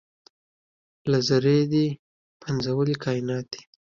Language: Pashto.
له ذرې دې پنځولي کاینات دي